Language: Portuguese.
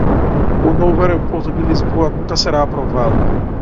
O novo aeroporto de Lisboa nunca será aprovado!